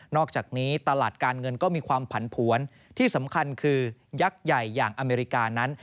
อกจากนี้ตลาดการเงินก็มีความผันผวนที่สำคัญคือยักษ์ใหญ่อย่างอเมริกานั้น